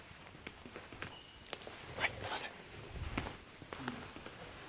はいすいません。